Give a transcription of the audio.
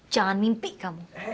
jangan mimpi kamu